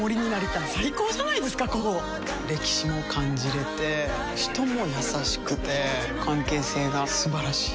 歴史も感じれて人も優しくて関係性が素晴らしい。